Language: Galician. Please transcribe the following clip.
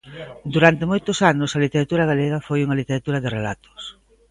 Durante moitos anos a literatura galega foi unha literatura de relatos.